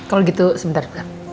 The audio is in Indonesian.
kalau gitu sebentar tante